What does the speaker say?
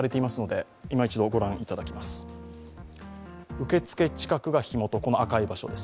受付近くが火元、赤い場所です。